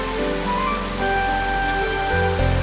bisa tau deh